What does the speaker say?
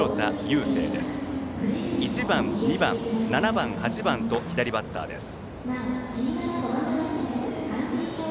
１番、２番、７番、８番と左バッターです。